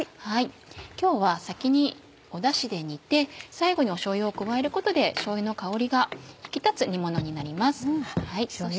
今日は先にだしで煮て最後にしょうゆを加えることでしょうゆの香りが引き立つ煮ものになります。